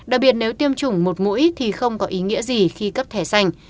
đặc biệt nếu tiêm chủng một mũi thì không có ý nghĩa gì khi cấp thẻ xanh